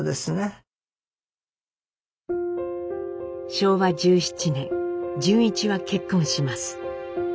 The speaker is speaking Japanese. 昭和１７年潤一は結婚します。